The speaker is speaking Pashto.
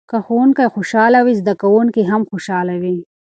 که ښوونکی خوشحاله وي زده کوونکي هم خوشحاله وي.